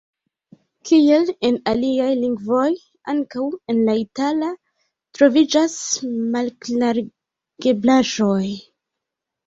Kiel en aliaj lingvoj, ankaŭ en la itala troviĝas malklarigeblaĵoj.